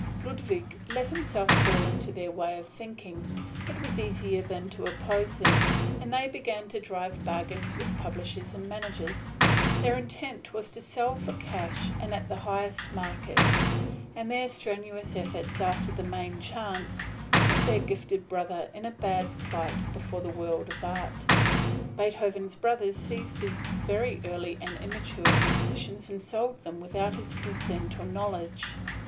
Ludwig let himself fall into their way of thinking it was easier than to oppose them and they began to drive bargains with publishers and managers. Their intent was to sell for cash and in the highest market; and their strenuous effort after the Main Chance put their gifted brother in a bad plight before the world of art. Beethoven's brothers seized his very early and immature compositions and sold them without his consent or knowledge.